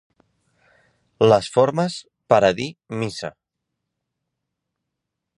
Les formes per a dir missa.